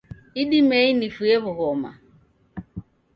Idimei nifuye w'ughoma